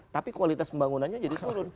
tapi kualitas pembangunannya jadi turun